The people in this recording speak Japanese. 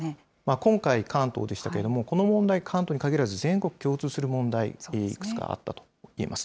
今回、関東でしたけれども、この問題、関東に限らず全国共通する問題、いくつかあったといえます。